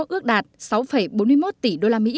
ước đạt sáu bốn mươi một tỷ usd